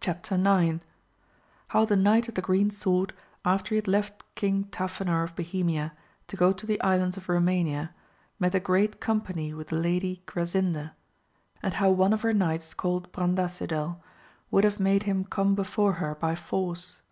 Chap. IX. — How the Enight of the Green Sword after he had left KiDg TafiDor of Bohemia, to go to the Islands of Romania met a great company with the Lady Grasinda, and how one of her knights called Brandasidel would haye made him come before her by force.